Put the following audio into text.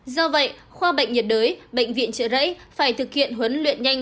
do vậy khoa bệnh nhiệt đới bệnh viện trời rấy phải thực hiện huấn luyện nhanh